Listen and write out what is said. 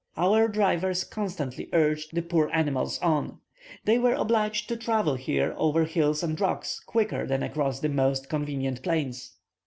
Our drivers constantly urged the poor animals on. They were obliged to travel here over hills and rocks quicker than across the most convenient plains.